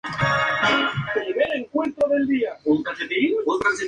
Sobre el origen del topónimo de la sierra no hay muchos datos.